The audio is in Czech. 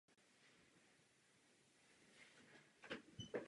Letos bude obhajovat titul Mark Allen ze Severního Irska.